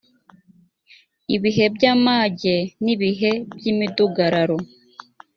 ibihe by amage n ibihe by imidugararo